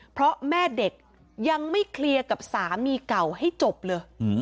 เพราะแม่เด็กยังไม่เคลียร์กับสามีเก่าให้จบเลย